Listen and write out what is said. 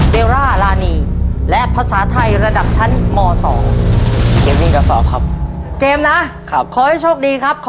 เขาเลือกให้ดวงใจแล้วไหมลูก